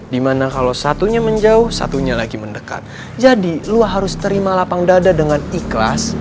dimana kalau satunya menjauh satunya lagi mendekat jadi lu harus terima lapang dada dengan ikhlas